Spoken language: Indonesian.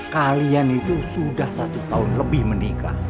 kalian itu sudah satu tahun lebih menikah